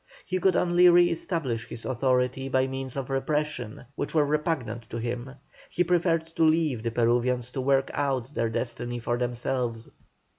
He could only re establish his authority by means of repression, which were repugnant to him; he preferred to leave the Peruvians to work out their destiny for themselves.